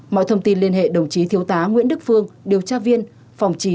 mọi thông tin liên hệ đồng chí thiếu tá nguyễn đức phương điều tra viên phòng chỉ